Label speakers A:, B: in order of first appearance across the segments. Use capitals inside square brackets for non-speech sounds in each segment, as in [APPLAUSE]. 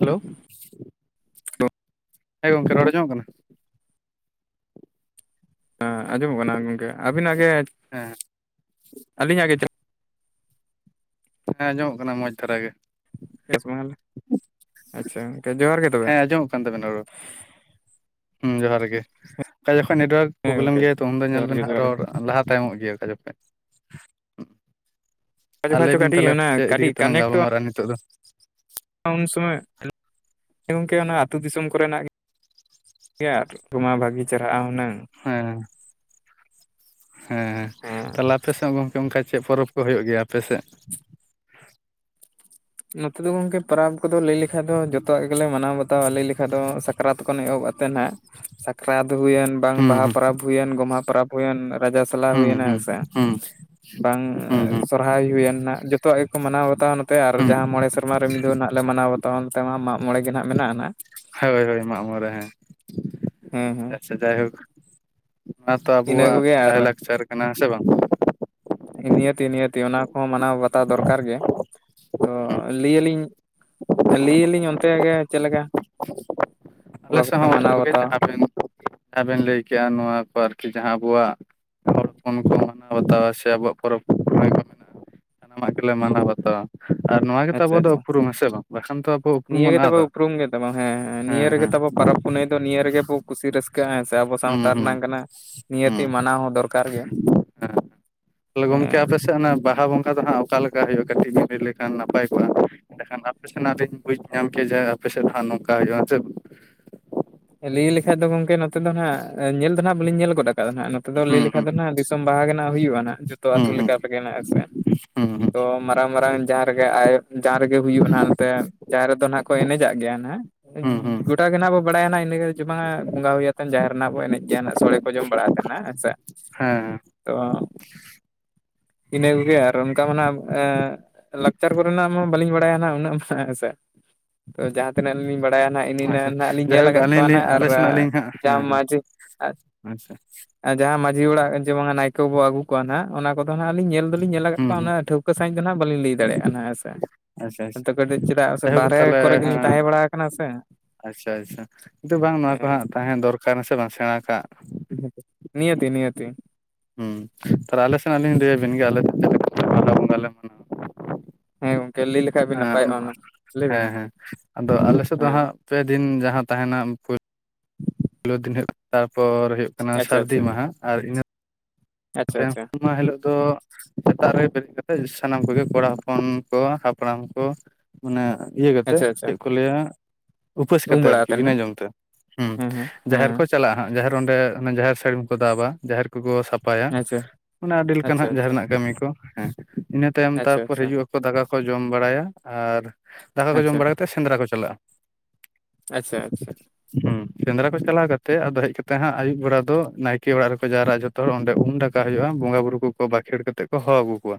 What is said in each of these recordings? A: Hello ᱦᱮᱸ ᱜᱚᱝᱠᱮ ᱨᱚᱲ ᱟᱸᱡᱚᱢᱚᱜ ᱠᱟᱱᱟ?
B: ᱦᱮᱸ ᱟᱸᱡᱚᱢᱚᱜ ᱠᱟᱱᱟ ᱜᱚᱝᱠᱮ ᱟᱹᱵᱤᱱ ᱟᱜᱮ
A: ᱦᱮᱸ
B: [INAUDIBLE] ᱟᱹᱞᱤᱧ ᱟᱜᱮ [UNINTELLIGIBLE]
A: ᱦᱮᱸ ᱟᱸᱡᱚᱢᱚᱜ ᱠᱟᱱᱟ ᱢᱚᱡᱽ ᱫᱷᱟᱨᱟ ᱜᱮ᱾
B: [UNINTELLIGIBLE] ᱟᱪᱪᱷᱟ ᱜᱚᱝᱠᱮ ᱡᱚᱦᱟᱨ ᱜᱮ᱾ ᱛᱚᱵᱮ
A: ᱦᱮᱸ ᱟᱸᱡᱚᱢᱚᱜ ᱠᱟᱱ ᱛᱟᱵᱮᱱᱟ ᱨᱚᱲ ᱦᱩᱸ ᱡᱚᱦᱟᱨ ᱜᱮ᱾ ᱚᱠᱟ ᱡᱚᱠᱷᱚᱱ ᱱᱮᱴᱣᱟᱨᱠ
B: ᱦᱮᱸ
A: ᱯᱨᱚᱵᱞᱮᱢ
B: ᱜᱚᱝᱠᱮ
A: ᱜᱮᱭᱟ ᱛᱚ ᱩᱱᱫᱚ ᱧᱮᱞ
B: ᱡᱚᱦᱟᱨ
A: ᱵᱮᱱ
B: ᱜᱮ
A: ᱦᱟᱸᱜ
B: ᱡᱚᱦᱟᱨ ᱜᱮ
A: ᱨᱚᱲ ᱞᱟᱦᱟ ᱛᱟᱭᱚᱢᱚᱜ ᱜᱮᱭᱟ ᱚᱠᱟ ᱡᱚᱠᱷᱚᱱ᱾
B: ᱚᱠᱟ
A: ᱟᱨ
B: ᱡᱚᱠᱷᱟ
A: ᱞᱟᱹᱭ
B: ᱪᱚ
A: ᱵᱤᱱ
B: ᱠᱟᱹᱴᱤᱡ
A: ᱛᱟᱦᱚᱞᱮ
B: ᱚᱱᱟ
A: ᱪᱮᱫ ᱤᱫᱤ
B: ᱠᱟᱹᱴᱤᱡ
A: ᱠᱟᱛᱮᱜ ᱞᱟᱝ
B: ᱠᱟᱱᱮᱠᱴᱚᱜᱼᱟ
A: ᱜᱟᱞᱢᱟᱨᱟᱜ ᱱᱤᱛᱳᱜ ᱫᱚ?
B: ᱩᱱ ᱥᱚᱢᱚᱭ [INAUDIBLE] ᱜᱚᱝᱠᱮ ᱚᱱᱟ ᱟᱛᱩ ᱫᱤᱥᱚᱢ ᱠᱚᱨᱮᱱᱟᱜ ᱜᱮ᱾ ᱴᱷᱤᱠ ᱜᱮᱭᱟ ᱟᱨ ᱛᱚᱢᱟ ᱵᱷᱟᱜᱤ ᱪᱟᱨᱦᱟᱜᱼᱟ ᱦᱩᱱᱟᱹᱝ
A: ᱦᱮᱸ᱾ ᱦᱮᱸ
B: ᱦᱮᱸ
A: ᱛᱟᱦᱚᱞᱮ ᱟᱯᱮ ᱥᱮᱫ ᱜᱚᱝᱠᱮ ᱚᱱᱠᱟ ᱪᱮᱫ ᱯᱚᱨᱚᱵᱽ ᱠᱚ ᱦᱩᱭᱩᱜ ᱜᱮᱭᱟ ᱟᱯᱮᱥᱮᱫ?
B: [INAUDIBLE] ᱱᱚᱛᱮ ᱫᱚ ᱜᱚᱝᱠᱮ ᱯᱟᱨᱟᱵᱽ ᱠᱚᱫᱚ ᱞᱟᱹᱭ ᱞᱮᱠᱷᱟᱡ ᱫᱚ ᱡᱚᱛᱚᱣᱟᱜ ᱜᱮᱞᱮ ᱢᱟᱱᱟᱣ ᱵᱟᱛᱟᱣᱟ᱾ ᱞᱟᱹᱭ ᱞᱮᱠᱷᱟᱡ ᱫᱚ ᱥᱟᱠᱨᱟᱛ ᱠᱷᱚᱱ ᱮᱦᱚᱵ ᱟᱛ ᱛᱮ ᱱᱟᱦᱟᱜ ᱥᱟᱠᱨᱟᱛ ᱦᱩᱭᱮᱱ, ᱵᱟᱝ
A: ᱦᱩᱸ
B: ᱵᱟᱦᱟ
A: ᱦᱩᱸ
B: ᱯᱟᱹᱨᱟᱹᱵᱽ ᱦᱩᱭᱮᱱ, ᱜᱚᱢᱦᱟ ᱯᱟᱹᱨᱟᱹᱯ ᱦᱩᱭᱮᱱ ᱨᱟᱡᱟ ᱥᱟᱞᱟ
A: ᱦᱩᱸ
B: ᱦᱩᱭᱮᱱᱟ
A: ᱦᱩᱸ
B: ᱦᱮᱸ ᱥᱮ,
A: ᱦᱩᱸ
B: ᱵᱟᱝ
A: ᱦᱩᱸ ᱦᱩᱸ
B: ᱥᱚᱨᱦᱟᱭ ᱦᱩᱭᱮᱱ ᱱᱟᱦᱟᱜ ᱡᱚᱛᱚᱣᱟᱜ ᱜᱮᱠᱚ ᱢᱟᱱᱟᱣ ᱵᱟᱛᱟᱣᱟ ᱱᱚᱛᱮ ᱟᱨ ᱟᱨ
A: ᱦᱩᱸ
B: ᱡᱟᱦᱟᱸ ᱢᱚᱬᱮ ᱥᱮᱨᱢᱟ ᱨᱮ ᱢᱤᱫ ᱫᱟᱣ ᱜᱮᱞᱮ ᱢᱟᱱᱟᱣ ᱵᱟᱛᱟᱣᱟ, ᱚᱱᱛᱮᱢᱟ ᱢᱟᱜ ᱢᱚᱬᱮ ᱜᱮ ᱱᱟᱜ ᱢᱮᱱᱟᱜᱼᱟ ᱱᱟᱱᱟᱜ᱾
A: ᱦᱳᱭ ᱦᱳᱭᱱᱢᱟᱜ ᱢᱚᱬᱮ ᱦᱮᱸ
B: ᱦᱮᱸ ᱦᱮᱸ
A: ᱟᱪᱷᱟ ᱡᱟᱭᱦᱳᱠ᱾ ᱱᱚᱣᱟ ᱛᱚ
B: ᱤᱱᱟᱹ
A: ᱟᱵᱚᱣᱟᱜ
B: ᱠᱚᱜᱮ
A: ᱞᱟᱭᱼᱞᱟᱠᱪᱟᱨ ᱠᱟᱱᱟ ᱦᱮᱸ ᱥᱮ ᱵᱟᱝ?
B: ᱱᱤᱦᱛᱤ ᱱᱤᱦᱛᱤ ᱚᱱᱟ ᱠᱚᱦᱚᱸ ᱢᱟᱱᱟᱣ ᱵᱟᱛᱟᱣ ᱫᱚᱨᱠᱟᱨ ᱜᱮ᱾ ᱛᱚ ᱞᱟᱹᱭᱞᱤᱧ, ᱞᱟᱹᱭᱞᱤᱧ ᱚᱱᱛᱮ ᱜᱮ ᱪᱮᱫ ᱞᱮᱠᱟ? ᱚᱠᱟ
A: ᱟᱞᱮ ᱥᱮᱫ
B: ᱠᱚᱯᱮ
A: ᱦᱚᱸ ᱚᱱᱟ
B: ᱢᱟᱱᱟᱣ
A: ᱠᱚᱜᱮ
B: ᱵᱟᱛᱟᱣᱟ
A: ᱡᱟᱦᱟᱸ ᱵᱮᱱ, ᱡᱟᱦᱟᱸ ᱵᱮᱱ ᱞᱟᱹᱭ ᱠᱮᱜ-ᱟ ᱱᱚᱣᱟ ᱠᱚ ᱟᱨᱠᱤ ᱡᱟᱦᱟᱸ ᱟᱵᱚᱣᱟᱜ ᱦᱚᱲ ᱦᱚᱯᱚᱱ ᱠᱚ ᱢᱟᱱᱟᱣ ᱵᱟᱛᱟᱣᱟ‌ ᱥᱮ ᱟᱵᱚᱣᱟᱜ ᱯᱚᱨᱚᱵᱽ ᱯᱩᱱᱟᱹᱭ ᱠᱚ ᱢᱮᱱᱟᱜᱼᱟ ᱥᱟᱱᱟᱢᱟᱜ ᱜᱮᱞᱮ ᱢᱟᱱᱟᱣ ᱵᱟᱛᱟᱣᱟ᱾ ᱟᱨ ᱱᱚᱣᱟ ᱜᱮᱛᱚ
B: ᱟᱪᱪᱷᱟ
A: ᱟᱵᱚᱣᱟᱜ ᱫᱚ
B: ᱟᱪᱪᱷᱟ
A: ᱩᱯᱨᱩᱢ ᱦᱮᱸ ᱥᱮ ᱵᱟᱝ ᱵᱟᱠᱷᱟᱱ ᱛᱚ ᱟᱵᱚ ᱩᱯᱨᱩᱢ
B: ᱱᱤᱭᱟᱹ ᱜᱮ
A: ᱵᱚᱱ
B: ᱛᱟᱵᱚ
A: ᱟᱫᱟ᱾
B: ᱩᱯᱨᱩᱢ ᱜᱮ [UNINTELLIGIBLE] ᱦᱮᱸ ᱦᱮᱸ᱾ ᱱᱤᱭᱟᱹ
A: ᱦᱮᱸ
B: ᱨᱮᱜᱮ
A: ᱦᱮᱸ᱾
B: ᱛᱟᱵᱚ ᱯᱚᱨᱚᱵᱽ ᱯᱩᱱᱟᱹᱭ ᱫᱚ ᱱᱤᱭᱟᱹ ᱨᱮᱜᱮ ᱵᱚ ᱠᱩᱥᱤ ᱨᱟᱹᱥ ᱠᱟᱹᱜ-ᱟ ᱦᱮᱸ ᱥᱮ ᱟᱵᱚ
A: ᱦᱩᱸ
B: ᱥᱟᱶᱛᱟ
A: ᱦᱩᱸ
B: ᱨᱮᱱᱟᱝ ᱠᱟᱱᱟ,, ᱱᱤᱦᱟᱹᱛᱤ
A: ᱦᱩᱸ
B: ᱢᱟᱱᱟᱣ ᱦᱚᱸ ᱫᱚᱨᱠᱟᱨ ᱜᱮᱭᱟ᱾
A: ᱦᱮᱸ ᱛᱟᱦᱚᱞᱮ ᱜᱚᱝᱠᱮ ᱟᱯᱮ ᱥᱮᱫ ᱚᱱᱟ ᱵᱟᱦᱟ ᱵᱚᱸᱜᱟ ᱫᱚ ᱦᱟᱸᱜ ᱚᱠᱟ ᱞᱮᱠᱟ ᱦᱩᱭᱩᱜᱼᱟ? ᱠᱟᱹᱴᱤᱡ ᱵᱮᱱ ᱞᱟᱹᱭ ᱞᱮᱠᱷᱟᱱ ᱱᱟᱯᱟᱭ ᱠᱚᱜᱼᱟ᱾ ᱮᱸᱰᱮᱠᱷᱟᱱ ᱟᱯᱮ ᱥᱮᱱᱟᱜ ᱞᱤᱧ ᱵᱩᱡᱽ ᱧᱟᱢ ᱠᱮᱭᱟ, ᱡᱮ ᱟᱯᱮ ᱥᱮᱫ ᱦᱟᱸᱜ ᱱᱚᱝᱠᱟ ᱦᱩᱭᱩᱜᱼᱟ ᱡᱮ᱾
B: ᱞᱟᱹᱭ ᱞᱮᱠᱷᱟᱡ ᱫᱚ ᱜᱚᱝᱠᱮ ᱱᱚᱛᱮ ᱫᱚ ᱱᱟᱦᱟᱜ, ᱧᱮᱞ ᱫᱚ ᱱᱟᱦᱟᱜ ᱵᱟᱹᱞᱤᱧ ᱧᱮᱞ ᱜᱚᱫ ᱟᱠᱟᱫᱟ ᱱᱟᱦᱟᱜ, ᱱᱚᱛᱮ ᱫᱚ ᱞᱟᱹᱭ
A: ᱦᱩᱸ
B: ᱞᱮᱠᱷᱟᱡ
A: ᱦᱩᱸ
B: ᱫᱚ ᱱᱟᱦᱟᱜ ᱫᱤᱥᱚᱢ ᱵᱟᱦᱟ ᱵᱮᱱᱟᱣ ᱦᱩᱭᱩᱜᱼᱟ ᱱᱟᱦᱟᱜ ᱡᱚᱛᱚ ᱟᱹᱛᱩ
A: ᱦᱩᱸ
B: ᱞᱮᱠᱟ ᱛᱮᱜᱮ ᱱᱟᱦᱟᱜ ᱦᱮᱸ ᱥᱮ᱾
A: ᱦᱩᱸ ᱦᱩᱸ ᱦᱩᱸ
B: ᱛᱚ ᱢᱟᱨᱟᱝ ᱢᱟᱨᱟᱝ ᱡᱟᱦᱟᱸ ᱨᱮᱜᱮ ᱟᱭᱳ, ᱡᱟᱦᱟᱸ ᱨᱮᱜᱮ ᱦᱩᱭᱩᱜ-ᱟ ᱱᱟᱦᱟᱜ ᱱᱚᱛᱮ, ᱡᱟᱦᱟᱸ ᱨᱮᱫᱚ ᱱᱟᱦᱟᱜ ᱠᱚ ᱮᱱᱮᱡᱟᱜ ᱜᱮᱭᱟ ᱱᱟᱦᱟᱜ,
A: ᱦᱩᱸ ᱦᱩᱸ
B: ᱜᱚᱴᱟ ᱜᱮ ᱱᱟᱦᱟᱜ ᱵᱚ ᱵᱟᱲᱟᱭᱟ ᱱᱟᱦᱟᱜ [INAUDIBLE] ᱵᱚᱸᱜᱟ ᱦᱩᱭ ᱟᱛᱮᱱ ᱡᱟᱦᱮᱨ ᱨᱮ ᱱᱟᱦᱟᱜ ᱵᱚ ᱮᱱᱮᱡ ᱜᱮᱭᱟ ᱱᱟᱦᱟᱜ ᱥᱚᱲᱮ ᱠᱚ ᱡᱚᱢ ᱵᱟᱲᱟ ᱠᱟᱛᱮᱱ ᱱᱟᱦᱟᱜ ᱦᱮᱸ ᱥᱮ,
A: ᱦᱮᱸ
B: ᱛᱚ, ᱤᱱᱟᱹ ᱠᱚᱜᱮ ᱟᱨ ᱚᱱᱠᱟ ᱢᱟ ᱱᱟᱦᱟᱜ ᱮᱸ ᱞᱟᱠᱪᱟᱨ ᱠᱚ ᱨᱮᱱᱟᱜ ᱢᱟ ᱵᱟᱹᱞᱤᱧ ᱵᱟᱲᱟᱭᱟ ᱱᱟᱦᱟᱜ ᱩᱱᱟᱹᱜ ᱢᱟ ᱦᱟᱸᱜ ᱦᱮᱸ ᱥᱮ, ᱛᱚ ᱡᱟᱦᱟᱸ ᱛᱤᱱᱟᱹᱜ ᱞᱤᱧ ᱵᱟᱲᱟᱭᱟ ᱱᱟᱦᱟᱜ ᱤᱱᱤ ᱤᱱᱟᱹᱜ
A: ᱟᱪᱪᱷᱟ
B: ᱜᱟᱱ ᱱᱟᱦᱟᱜ ᱞᱤᱧ ᱧᱮᱞ
A: ᱡᱟᱭᱦᱳᱠ
B: ᱟᱠᱟᱜ
A: ᱟᱹᱞᱤᱧ
B: ᱠᱚᱣᱟ
A: ᱞᱤᱧ
B: ᱱᱟᱦᱟᱜ ᱟᱨ
A: ᱟᱞᱮ ᱥᱮᱱᱟᱜ ᱞᱤᱧ ᱦᱟᱸᱜ ᱦᱮᱸ
B: ᱡᱟᱦᱟᱸ
A: ᱦᱮᱸ
B: ᱢᱟᱡᱷᱤ
A: ᱟᱪᱪᱷᱟ
B: ᱟᱨ ᱡᱟᱦᱟᱸ ᱢᱟᱡᱷᱤ ᱚᱲᱟᱜ ᱡᱮ ᱵᱟᱝᱟ ᱱᱟᱭᱠᱮ ᱵᱚ ᱟᱹᱜᱩ ᱠᱚᱣᱟ ᱱᱟᱦᱟᱜ ᱚᱱᱟ ᱠᱚᱫᱚ ᱱᱟᱦᱟᱜ ᱞᱤᱧ ᱧᱮᱞ ᱫᱚ ᱞᱤᱧ ᱧᱮᱞ ᱟᱠᱟᱜ
A: ᱦᱩᱸ
B: ᱠᱚᱣᱟ,
A: ᱦᱩᱸ
B: ᱚᱱᱟ ᱴᱷᱟᱹᱣ ᱠᱟᱹ ᱥᱟᱦᱤᱸᱡ ᱫᱚ ᱱᱟᱦᱟᱜ ᱵᱟᱹᱞᱤᱧ ᱞᱟᱹᱭ ᱫᱟᱲᱮᱭᱟᱜᱼᱟ ᱱᱟᱦᱟᱜ ᱦᱮᱸ ᱥᱮ᱾
A: ᱟᱪᱪᱷᱟ ᱟᱪᱪᱷᱟ
B: ᱚᱱᱛᱮ ᱠᱟᱴᱤᱡ ᱪᱮᱫᱟᱜ ᱥᱮ
A: ᱡᱟᱭᱦᱳᱠ
B: ᱵᱟᱦᱨᱮ
A: ᱛᱟᱦᱚᱞᱮ
B: ᱠᱚᱨᱮ ᱜᱮᱞᱤᱧ
A: ᱦᱮᱸ
B: ᱛᱟᱦᱮᱸ ᱵᱟᱲᱟ ᱟᱠᱟᱱᱟ ᱥᱮ᱾
A: ᱟᱪᱪᱷᱟ ᱟᱪᱪᱷᱟ, ᱠᱤᱱᱛᱩ ᱵᱟᱝ ᱱᱚᱣᱟ ᱠᱚ
B: ᱦᱮᱸ
A: ᱦᱟᱸᱜ ᱛᱟᱦᱮᱸ ᱫᱚᱨᱠᱟᱨᱟ ᱥᱮ ᱵᱟᱝ ᱥᱮᱬᱟ ᱠᱟᱜ?
B: [INAUDIBLE] ᱱᱤᱦᱟᱹᱛᱤ ᱱᱤᱦᱟᱹᱛᱤ᱾
A: ᱦᱩᱸ, ᱛᱟᱦᱚᱞᱮ ᱟᱞᱮ ᱥᱮᱱᱟᱜ ᱞᱤᱧ ᱞᱟᱹᱭ ᱟᱵᱤᱱ ᱜᱮ, ᱟᱞᱮ ᱪᱮᱫ ᱞᱮᱠᱟ [INAUDIBLE] ᱵᱚᱸᱜᱟ ᱞᱮ ᱢᱟᱱᱟ
B: ᱦᱮᱸ ᱜᱚᱝᱠᱮ ᱞᱟᱹᱭ ᱞᱮ
A: ᱦᱮᱸ ᱦᱮᱸ ᱦᱮᱸ, ᱟᱫᱚ ᱟᱞᱮ ᱥᱮᱫ ᱫᱚ
B: ᱦᱮᱸ
A: ᱦᱟᱸᱜ ᱯᱮ ᱫᱤᱱ ᱡᱟᱦᱟᱸ ᱛᱟᱦᱮᱸᱱᱟ ᱩᱱᱠᱩ ᱯᱳᱭᱞᱳ ᱫᱤᱱ ᱦᱩᱭᱩᱜ [INAUDIBLE] ᱛᱟᱨᱯᱚᱨ ᱦᱩᱭᱩᱜ ᱠᱟᱱᱟ
B: ᱟᱪᱪᱷᱟ
A: ᱥᱟᱹᱨᱫᱤ
B: ᱟᱪᱪᱷᱟ
A: ᱢᱟᱦᱟ, ᱟᱨ ᱤᱱᱟᱹ
B: ᱟᱪᱪᱷᱟ
A: ᱯᱮ
B: ᱟᱪᱪᱷᱟ
A: ᱢᱟᱦᱟ ᱦᱤᱞᱳᱜ ᱫᱚ ᱥᱮᱛᱟᱜ ᱨᱮ ᱵᱮᱨᱮᱫ ᱠᱟᱛᱮᱜ ᱥᱟᱱᱟᱢ ᱠᱚᱜᱮ ᱠᱚᱲᱟ ᱦᱚᱯᱚᱱ ᱠᱚ, ᱦᱟᱯᱲᱟᱢ ᱠᱚ, ᱚᱱᱟ ᱤᱭᱟᱹ ᱠᱟᱛᱮᱜ,
B: ᱟᱪᱪᱷᱟ ᱟᱪᱪᱷᱟ
A: ᱪᱮᱫ ᱠᱚ ᱞᱟᱹᱭ‌ᱟ ᱦᱟᱸᱜ ᱩᱯᱟᱹᱥ
B: ᱩᱢ
A: ᱠᱟᱛᱮᱜ
B: ᱵᱟᱲᱟ
A: ᱟᱨᱠᱤ
B: ᱠᱟᱛᱮᱫ
A: ᱵᱤᱱᱟᱹ
B: ᱱᱟᱜ
A: ᱡᱚᱢ ᱛᱮ, ᱦᱩᱸ
B: ᱦᱮᱸ ᱦᱮᱸ
A: ᱡᱟᱦᱮᱨ
B: ᱦᱮᱸ
A: ᱠᱚ ᱪᱟᱞᱟᱜᱼᱟ ᱦᱟᱸᱜ ᱡᱟᱦᱮᱨ ᱚᱸᱰᱮ ᱚᱱᱟ ᱡᱟᱦᱮᱨ ᱥᱟᱹᱲᱤᱢ ᱠᱚ ᱫᱟᱵᱟ ᱡᱟᱦᱮᱨ ᱠᱚᱠᱚ ᱥᱟ ᱯᱟᱭᱟ,
B: ᱟᱪᱪᱷᱟ
A: ᱚᱱᱟ ᱟᱹᱰᱤ ᱞᱮᱠᱟᱱ
B: ᱟᱪᱪᱷᱟ
A: ᱦᱟᱸᱜ ᱡᱟᱦᱮᱨ
B: ᱟᱪᱪᱷᱟ
A: ᱨᱮᱱᱟᱜ ᱠᱟᱹᱢᱤ ᱠᱚ ᱦᱮᱸ ᱤᱱᱟᱹ ᱛᱟᱭᱚᱢ
B: ᱟᱪᱪᱷᱟ
A: ᱛᱟᱨᱯᱚᱨ ᱦᱤᱡᱩᱜ ᱟ ᱠᱚ ᱫᱟᱠᱟ ᱠᱚ ᱡᱚᱢ ᱵᱟᱲᱟᱭᱟ, ᱟᱨ ᱫᱟᱠᱟ ᱠᱚ ᱡᱚᱢ
B: ᱟᱪᱪᱷᱟ
A: ᱵᱟᱲᱟ ᱠᱟᱛᱮᱜ ᱥᱮᱸᱫᱽᱨᱟ ᱠᱚ ᱪᱟᱞᱟᱜᱼᱟ᱾
B: ᱟᱪᱪᱷᱟ ᱟᱪᱪᱷᱟ᱾
A: ᱦᱩᱸ, ᱥᱮᱸᱫᱽᱨᱟ ᱠᱚ ᱪᱟᱞᱟᱣ ᱠᱟᱛᱮᱜ ᱟᱫᱚ ᱦᱮᱡ ᱠᱟᱛᱮᱜ ᱦᱟᱸᱜ ᱟᱭᱩᱵ ᱵᱮᱲᱟ ᱫᱚ, ᱱᱟᱭᱠᱮ ᱚᱲᱟᱜ ᱨᱮᱠᱚ ᱡᱟᱨᱣᱟᱜᱼᱟ ᱡᱚᱛᱚ ᱦᱚᱲ ᱚᱸ ᱰᱮ ᱩᱢ ᱵᱷᱟᱠᱟ ᱦᱩᱭᱩᱜᱼᱟ, ᱵᱚᱸᱜᱟ ᱵᱩᱨᱩ ᱠᱚᱠᱚ ᱵᱟᱠᱷᱮᱲ ᱠᱟᱛᱮᱜ ᱠᱚ ᱦᱚ ᱟᱹᱜᱩ ᱠᱚᱣᱟ,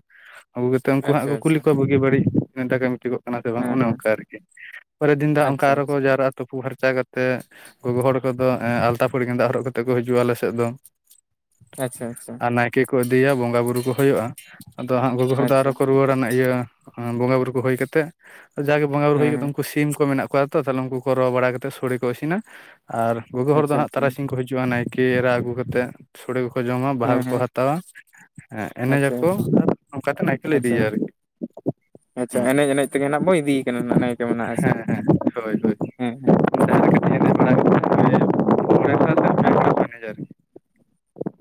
A: ᱟᱹᱜᱩ ᱠᱟᱛᱮᱜ ᱩᱱᱠᱩ ᱦᱟᱸᱜ
B: ᱟᱪᱪᱷᱟ
A: ᱠᱚ
B: ᱟᱪᱪᱷᱟ
A: ᱠᱩᱞᱤ
B: ᱟᱪᱪᱷᱟ
A: ᱠᱚᱣᱟ ᱵᱩ ᱜᱤ ᱵᱟᱹᱲᱤᱡ, ᱢᱮᱱ ᱛᱟᱦᱮᱸᱜ ᱠᱚ ᱠᱟᱢᱤ ᱴᱷᱤᱠᱚᱜ ᱠᱟᱱᱟ ᱥᱮ ᱵᱟᱝ
B: ᱦᱮᱸ
A: ᱚᱱᱮ
B: ᱦᱮᱸ
A: ᱚᱝᱠᱟ ᱟᱨᱠᱤ, ᱯᱚᱨᱮᱨ ᱫᱤᱱ ᱫᱚ ᱚᱝᱠᱟ
B: ᱟᱪᱪᱷᱟ
A: ᱟᱨ ᱦᱚᱸ ᱠᱚ
B: ᱟᱪᱪᱷᱟ
A: ᱡᱟᱣᱨᱟᱜ-ᱟ ᱛᱩᱯᱩ ᱯᱷᱟᱨᱪᱟ ᱠᱟᱛᱮᱜ, ᱜᱚᱜᱚ ᱦᱚᱲ ᱠᱚᱫᱚ ᱮᱸ ᱟᱞᱛᱟ ᱯᱟᱹᱲᱤ ᱜᱮᱸᱫᱟᱜ ᱦᱚᱨᱚᱜ ᱠᱟᱛᱮᱜ ᱠᱚ ᱦᱤᱡᱩᱜᱼᱟ ᱟᱞᱮ ᱥᱮᱫ ᱫᱚ᱾
B: ᱟᱪᱪᱷᱟ ᱟᱪᱪᱷᱟ᱾
A: ᱟᱨ ᱱᱟᱭᱠᱮ ᱠᱚ ᱤᱫᱤᱭᱟ ᱵᱚᱸᱜᱟ ᱵᱩᱨᱩ ᱠᱚ ᱦᱩᱭᱩᱜᱼᱟ, ᱟᱫᱚ ᱦᱟᱸᱜ ᱜᱚᱜᱚ ᱦᱚᱲ ᱫᱚ
B: ᱟᱪᱪᱷᱟ
A: ᱟᱨᱚ ᱠᱚ ᱨᱩᱣᱟᱹᱲ ᱱᱟᱦᱟᱜ ᱤᱭᱟᱹ ᱵᱚᱸᱜᱟ ᱵᱩᱨᱩ ᱠᱚ ᱦᱳᱭ ᱠᱟᱛᱮᱜ, ᱟᱨ ᱡᱟᱜᱮ ᱵᱚᱸᱜᱟ ᱵᱩᱨᱩ
B: ᱦᱮᱸ
A: ᱦᱳᱭ ᱠᱟᱛᱮᱫ
B: ᱦᱮᱸ
A: ᱩᱝᱠᱩ ᱥᱤᱢ ᱠᱚ ᱢᱮᱱᱟᱜ ᱠᱚᱣᱟ ᱛᱟᱦᱚᱞᱮ ᱩᱝᱠᱩ ᱠᱚ ᱨᱚ ᱵᱟᱲᱟ ᱠᱟᱛᱮᱜ ᱥᱚᱲᱮ ᱠᱚ ᱤᱥᱤᱱᱟ ᱟᱨ ᱜᱚᱜᱚ ᱦᱚᱲ ᱫᱚ
B: ᱟᱪᱪᱷᱟ
A: ᱦᱟᱸᱜ
B: ᱟᱪᱪᱷᱟ
A: ᱛᱟᱨᱟᱥᱤᱧ ᱠᱚ ᱦᱤᱡᱩᱜᱼᱟ ᱱᱟᱭ ᱠᱮ ᱮᱨᱟ ᱟᱜᱩ ᱠᱟᱛᱮᱫ, ᱥᱚᱲᱮ ᱠᱚᱠᱚ ᱡᱚᱢᱟ
B: ᱦᱮᱸ
A: ᱵᱟᱦᱟ ᱠᱚᱠᱚ
B: ᱦᱮᱸ
A: ᱦᱟᱛᱟᱣᱟ᱾
B: ᱟᱪᱪᱷᱟ
A: ᱮᱱᱮᱡᱟᱠᱚ
B: ᱟᱪᱪᱷᱟ
A: ᱟᱨ ᱱᱚᱝᱠᱟ ᱠᱟᱛᱮ ᱱᱟᱭᱠᱮ ᱞᱮ
B: ᱟᱪᱪᱷᱟ
A: ᱤᱫᱤᱭᱭᱟ ᱟᱨᱠᱤ᱾
B: ᱟᱪᱪᱷᱟ
A: ᱦᱮᱸ
B: ᱮᱱᱮᱡ ᱮᱱᱮᱡ ᱛᱮᱜᱮ ᱱᱟᱦᱟᱜ ᱵᱚᱱ ᱤᱫᱤᱭᱮ ᱠᱟᱱᱟ ᱱᱟᱦᱟᱜ ᱱᱟᱭᱠᱮ ᱢᱟ ᱱᱟᱦᱟᱜ ᱦᱮᱸ ᱥᱮ,
A: ᱦᱳᱭ ᱦᱳᱭ
B: ᱦᱮᱸ᱾
A: ᱡᱟᱦᱟᱸ ᱞᱮᱠᱟᱛᱮ ᱮᱱᱮᱡ ᱵᱟᱲᱟ ᱠᱟᱛᱮ ᱢᱚᱬᱮ ᱥᱟᱶ ᱥᱮ ᱯᱮ ᱦᱚᱲ ᱠᱚ ᱮᱱᱮᱡᱟ ᱟᱨᱠᱤ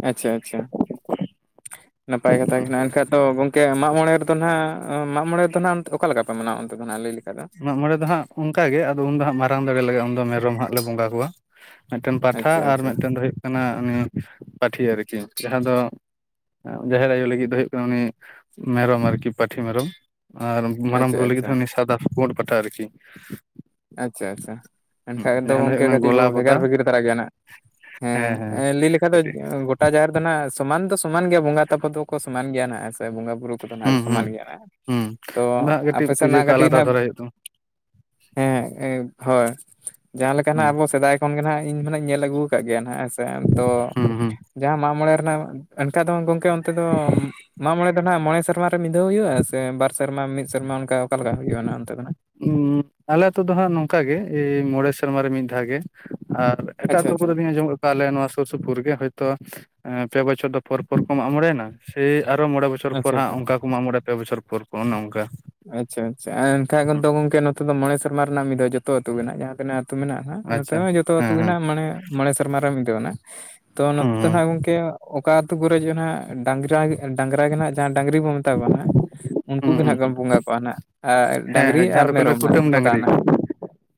B: ᱟᱪᱪᱷᱟ ᱟᱪᱪᱷᱟ᱾ ᱱᱟᱯᱟᱭ ᱠᱟᱛᱷᱟ ᱠᱟᱱᱟ ᱮᱱᱠᱷᱟᱡ ᱫᱚ ᱜᱚᱝᱠᱮ ᱢᱟᱜ ᱢᱚᱬᱮ ᱫᱚ ᱱᱟᱦᱟᱜ ᱢᱟᱜ ᱢᱚᱬᱮ ᱫᱚ ᱱᱟᱦᱟᱜ ᱚᱠᱟ ᱞᱮᱠᱟ ᱯᱮ ᱢᱟᱱᱟᱣᱟ ᱚᱱᱛᱮ ᱫᱚ ᱱᱟᱦᱟᱜ ᱞᱟᱹᱭ ᱞᱮᱠᱟᱡ ᱫᱚ᱾
A: ᱢᱟᱜ ᱢᱚᱬᱮ ᱫᱚ ᱦᱟᱸᱜ ᱚᱱᱠᱟ ᱜᱮ ᱟᱫᱚ ᱩᱱᱫᱚ ᱦᱟᱸᱜ ᱢᱟᱨᱟᱝ ᱫᱟᱲᱮ ᱞᱟᱜᱟᱜ-ᱟ ᱩᱱ ᱫᱚ ᱢᱮᱨᱚᱢ ᱦᱟᱸᱜ ᱞᱮ ᱵᱚᱸᱜᱟ ᱠᱚᱣᱟ᱾ ᱢᱮᱜᱴᱮᱝ ᱯᱟᱴᱷᱟ
B: ᱟᱪᱪᱷᱟ
A: ᱟᱨ
B: ᱟᱪᱪᱷᱟ
A: ᱢᱮᱜᱴᱮᱝ ᱫᱚ ᱦᱩᱭᱩᱜ ᱠᱟᱱᱟ ᱩᱱᱤ ᱯᱟᱴᱷᱤ ᱟᱨ ᱠᱤ ᱡᱟᱸᱦᱟ ᱫᱚ᱾ ᱡᱟᱦᱮᱨ ᱟᱭᱩ ᱞᱟᱹᱜᱤᱫ ᱫᱚ ᱦᱩᱭᱩᱜ ᱠᱟᱱᱟ ᱩᱱᱤ ᱢᱮᱨᱚᱢ ᱟᱨᱠᱤ ᱯᱟᱴᱷᱤ ᱢᱮᱨᱚᱢ᱾ ᱟᱨ ᱢᱟᱨᱟᱝ
B: ᱟᱪᱪᱷᱟ
A: ᱵᱩᱨᱩ ᱞᱟᱹᱜᱤᱫ
B: ᱟᱪᱪᱷᱟ
A: ᱦᱚᱸ ᱩᱱᱤ ᱥᱟᱫᱟ ᱯᱳᱸᱰ ᱯᱟᱴᱷᱟ ᱟᱨᱠᱤ᱾
B: ᱟᱪ-ᱪᱷᱟ ᱟᱪᱷᱟ ᱮᱱᱠᱷᱟᱡ ᱫᱚ
A: ᱡᱟᱦᱟᱸ ᱦᱩᱭᱩᱜ
B: ᱜᱚᱢᱠᱮ
A: ᱠᱟᱱᱟ
B: ᱠᱟᱹᱴᱤᱡ ᱵᱚ
A: ᱜᱚᱞᱟ ᱵᱚᱫᱟ
B: ᱵᱷᱮᱜᱟᱨ ᱵᱷᱮᱜᱟᱨ ᱫᱷᱟᱨᱟ ᱜᱮᱭᱟ ᱱᱟᱜ᱾ ᱦᱮᱸ ᱮᱸ ᱞᱟᱹᱭ ᱞᱮᱠᱷᱟᱡ ᱫᱚ ᱡ
A: ᱠᱟᱹᱴᱤᱡ
B: ᱜᱚ ᱜᱚᱴᱟ ᱡᱟᱦᱮᱨ ᱫᱚ ᱱᱷᱟᱜ ᱥᱚᱢᱟᱱ ᱫᱚ ᱥᱚᱢᱟᱱ ᱜᱮᱭᱟ ᱵᱚᱸᱜᱟ ᱛᱟᱯᱚ ᱫᱚᱠᱚ ᱥᱚᱢᱟᱱ ᱜᱮᱭᱟ ᱱᱷᱟᱜ ᱦᱮᱸ ᱥᱮ ᱵᱚᱸᱜᱟ᱾ ᱵᱩᱨᱩ ᱠᱚᱫᱚ ᱱᱟᱜ ᱠᱚ
A: ᱦᱩᱸ ᱦᱩᱸ
B: ᱥᱚᱢᱟᱱ ᱜᱮᱭᱟ ᱱᱟᱜ
A: ᱦᱩᱸ
B: ᱛᱚ
A: ᱟᱫᱚ ᱦᱟᱸᱜ ᱠᱟᱹᱴᱤᱡ
B: ᱟᱯᱮ
A: ᱯᱩᱡᱟᱹ
B: ᱥᱮᱱᱟᱜ
A: ᱠᱚ
B: ᱠᱟᱴᱤᱡ
A: ᱟᱞᱟᱫᱟ
B: ᱱᱷᱟᱜ᱾
A: ᱫᱷᱟᱨᱟ ᱦᱩᱭᱩᱜ ᱛᱟᱢᱟ
B: ᱦᱮᱸ ᱮᱸ ᱦᱳᱭ ᱡᱟᱸᱦᱟ ᱞᱮᱠᱟ ᱱᱟᱜ
A: ᱦᱩᱸ
B: ᱟᱵᱚ ᱥᱮᱫᱟᱭ ᱠᱷᱚᱱ ᱜᱮ ᱱᱷᱟᱜ ᱤᱧ ᱦᱚᱸᱱᱟᱧ ᱧᱮᱞ ᱟᱹᱜᱩ ᱠᱟᱜ ᱜᱮᱭᱟ ᱱᱷᱟᱜ᱾ ᱥᱮᱱ ᱛᱚ
A: ᱦᱩᱸ ᱦᱩᱸ
B: ᱡᱟᱸᱦᱟ ᱢᱟᱜ ᱢᱚᱬᱮ ᱨᱮᱱᱟᱜ ᱮᱱᱠᱟ ᱫᱚ ᱜᱚᱢᱠᱮ ᱚᱱᱛᱮ ᱫᱚ᱾ ᱢᱟᱜ ᱢᱚᱬᱮ ᱫᱚ ᱱᱷᱟᱜ ᱢᱚᱬᱮ ᱥᱮᱨᱢᱟ ᱨᱮ ᱢᱤᱜ ᱫᱷᱟᱹᱣ ᱦᱩᱭᱩᱜ-ᱟ ᱥᱮ ᱵᱟᱨ ᱥᱮᱨᱢᱟ ᱢᱤᱜ ᱥᱮᱨᱢᱟ ᱚᱱᱠᱟ ᱚᱠᱟᱞᱮᱠᱟ ᱦᱩᱭᱩᱜ-ᱟ ᱱᱟᱜ ᱚᱱᱛᱮ ᱫᱚ ᱱᱟᱜ᱾
A: ᱟᱞᱮ ᱟᱛᱩ ᱫᱚ ᱦᱟᱸᱜ ᱱᱚᱝᱠᱟ ᱜᱮ ᱮᱻ ᱢᱚᱬᱮ ᱥᱮᱨᱢᱟ ᱨᱮ ᱢᱤᱫ ᱫᱷᱟ ᱜᱮ ᱟᱨ᱾ ᱮᱴᱟᱜ
B: ᱟᱪᱪᱷᱟ
A: ᱟᱛᱩ
B: ᱟᱪᱪᱷᱟ
A: ᱠᱚᱨᱮ ᱫᱩᱧ ᱟᱸᱡᱚᱢ ᱠ ᱠᱟ ᱟᱞᱮ ᱱᱚᱣᱟ ᱥᱩᱨ ᱥᱩᱯᱩᱨ ᱜᱮ ᱦᱳᱭᱛᱚ ᱯᱮ ᱵᱚᱪᱷᱚᱨ ᱫᱚ ᱯᱚᱨ ᱯᱚᱨ ᱠᱚ ᱢᱟᱜ ᱢᱚᱬᱮᱭᱱᱟ ᱥᱮᱭ ᱟᱨᱚ ᱢᱚᱬᱮ ᱵᱚ ᱪᱷᱚᱨ ᱯᱚᱨ
B: ᱟᱪᱪᱷᱟ
A: ᱦᱟᱸᱜ
B: ᱟᱪᱪᱷᱟ
A: ᱚᱱᱠᱟ ᱠᱚ ᱢᱟᱜ ᱢᱚᱬᱮ ᱯᱮ ᱵᱚᱪᱷᱚᱨ ᱯᱚᱨ ᱯᱚᱨ ᱚᱱᱮ ᱚᱱᱠᱟ᱾
B: ᱟᱪ-ᱪᱷᱟ ᱟᱪᱪᱷᱟ ᱟᱨ ᱮᱱᱠᱷᱟᱜ ᱠᱚᱫᱚ ᱜᱚᱝᱠᱮ ᱱᱚ ᱛᱮ ᱫᱚ ᱢᱚᱬᱮ ᱥᱮᱨᱢᱟ ᱨᱮᱱᱟᱜ ᱢᱤᱫᱷᱟᱹᱣ ᱡᱚᱛᱚ ᱟᱹᱛᱩ ᱜᱮ ᱱᱟᱜ ᱡᱟᱸᱦᱟ ᱛᱤᱱᱟᱹᱜ ᱟᱹᱛᱩ ᱢᱮᱱᱟᱜ-ᱟ ᱦᱟᱸᱜ ᱱᱚᱛᱮ
A: ᱟᱪᱪᱷᱟ
B: ᱦᱚᱸ ᱡᱚᱛᱚ
A: ᱦᱮᱸ
B: ᱟᱛᱩ ᱜᱮ
A: ᱦᱮᱸ
B: ᱱᱷᱟᱜ ᱢᱟᱱᱮ᱾ ᱢᱚᱬᱮ ᱥᱮᱨᱢᱟ ᱨᱮ ᱢᱤᱫᱷᱟᱹᱣ ᱠᱟᱱᱟ ᱛᱚ
A: ᱦᱩᱸ
B: ᱱᱚᱛᱮ ᱫᱚ
A: ᱦᱩᱸ
B: ᱱᱷᱟᱜ ᱜᱚᱝᱠᱮ ᱚᱠᱟ ᱟᱛᱳ ᱠᱚᱨᱮ ᱡᱮ ᱱᱷᱟᱜ ᱰᱟᱸᱝᱨᱟ᱾ ᱰᱟᱸᱝᱨᱟ ᱜᱮ ᱱᱷᱟᱜ ᱡᱟᱸᱦᱟ ᱰᱟᱸᱝᱨᱤ ᱵᱚ ᱢᱮᱛᱟ ᱠᱚ ᱠᱟᱱᱟ ᱩᱱᱠᱩ
A: ᱦᱩᱸ
B: ᱜᱮ
A: ᱦᱩᱸ
B: ᱱᱷᱟᱜ ᱠᱚ ᱵᱚᱸᱜᱟ ᱠᱚᱣᱟ ᱱᱷᱟᱜ᱾ ᱟᱸ
A: ᱦᱮᱸ
B: ᱰᱟᱸᱝᱨᱤ
A: ᱦᱮᱸ ᱡᱟᱦᱟᱸ
B: ᱟᱨ
A: ᱫᱚᱠᱚ ᱞᱟᱹᱭᱟ
B: ᱢᱮᱨᱚᱢ ᱱᱷᱟᱜ
A: ᱠᱩᱴᱟᱹᱢ
B: ᱵᱚᱫᱟ
A: ᱰᱟᱝᱨᱤ
B: ᱱᱟᱜ᱾